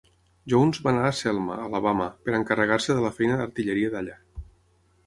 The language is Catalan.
Jones va anar a Selma (Alabama) per encarregar-se de la feina d'artilleria d'allà.